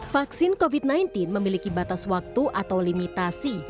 vaksin covid sembilan belas memiliki batas waktu atau limitasi